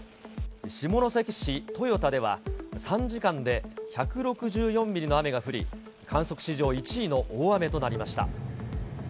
下関市豊田では、３時間で１６４ミリの雨が降り、観測史上１位の大雨となりました。